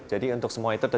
jadi untuk semua itu terjadi